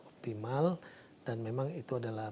optimal dan memang itu adalah